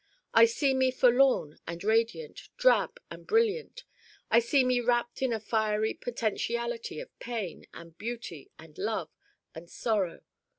I see me forlorn and radiant, drab and brilliant. I see me wrapped in a fiery potentiality of pain and beauty and love and sorrow.